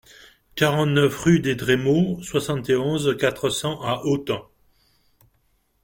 quarante-neuf rue des Drémeaux, soixante et onze, quatre cents à Autun